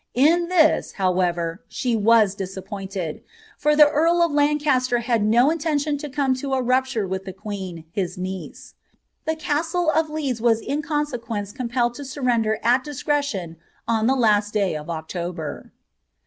In this, however, she was disappointed, for the earl of Imntn ter had no intention lo come to a rupture with the queen, hia n castle of Leeds was in consequence compelled to surrender ai on the last day of October.